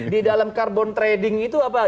di dalam carbon trading itu apa